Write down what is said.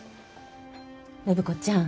暢子ちゃん